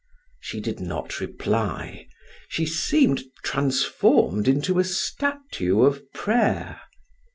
She did not reply; she seemed transformed into a statue of prayer.